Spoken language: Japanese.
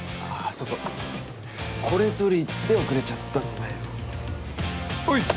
そうそうこれ取り行って遅れちゃったんだよはい！